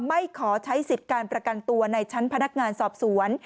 ไม่ขอใช้สิทธิ์การประกันตัวในชั้นพนักงานสอบสวน